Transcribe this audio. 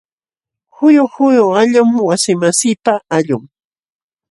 Huyu huyu allqum wasimasiipa allqun.